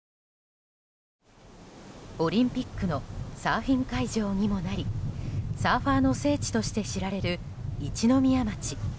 オリンピックのサーフィン会場にもなりサーファーの聖地として知られる一宮町。